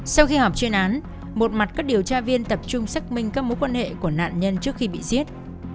sau khi họp chuyên án một mặt các điều tra viên tập trung xác minh các mối quan hệ của nạn nhân trước khi bị giết